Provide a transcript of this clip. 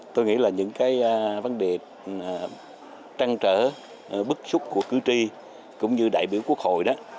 tôi nghĩ là những vấn đề trăng trở bức xúc của cử tri cũng như đại biểu quốc hội